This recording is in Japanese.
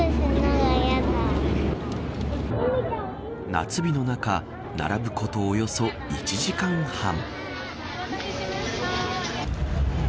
夏日の中並ぶことおよそ１時間半。